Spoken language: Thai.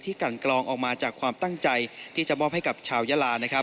กันกรองออกมาจากความตั้งใจที่จะมอบให้กับชาวยาลานะครับ